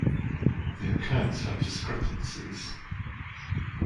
The accounts have discrepancies.